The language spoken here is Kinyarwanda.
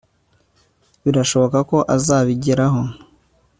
Birashoboka ko azabigeraho